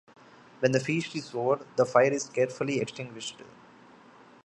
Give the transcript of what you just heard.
When the feast is over, the fire is carefully extinguished.